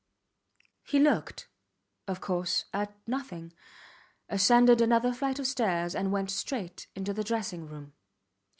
He looked, of course, at nothing, ascended another flight of stairs and went straight into the dressing room.